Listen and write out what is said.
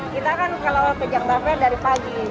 kita kan kalau ke jakarta dari pagi